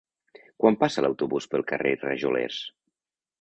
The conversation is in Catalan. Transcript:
Quan passa l'autobús pel carrer Rajolers?